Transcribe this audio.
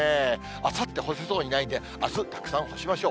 あさって干せそうにないんで、あす、たくさん干しましょう。